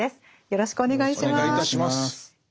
よろしくお願いします。